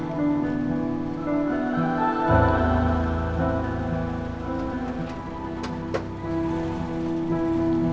lo udah ngerti kan